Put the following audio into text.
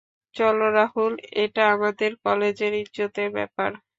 চলো রাহুল এটা আমাদের কলেজের ইজ্জতের ব্যাপারে।